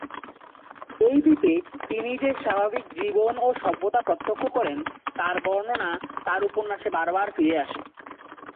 এই দ্বীপে তিনি যে স্বাভাবিক জীবন ও সভ্যতা প্রত্যক্ষ করেন, তার বর্ণনা তার উপন্যাসে বার বার ফিরে আসে।